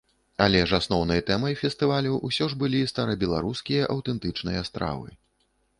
Але ж асноўнай тэмай фестывалю ўсё ж былі старабеларускія аўтэнтычныя стравы.